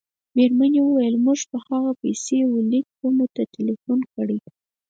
مېرمنې وویل: موږ په هغه پسې وه لېک کومو ته ټېلیفون کړی.